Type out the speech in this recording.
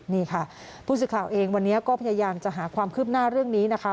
นี่ค่ะผู้สื่อข่าวเองวันนี้ก็พยายามจะหาความคืบหน้าเรื่องนี้นะคะ